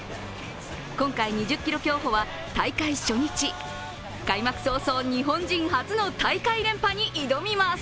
今回２０ｋｍ競歩は大会初日開幕早々日本人初の大会連覇に挑みます。